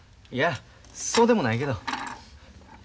いやそうでもないけど。